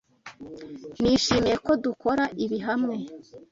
Nishimiye ko dukora ibi hamwe.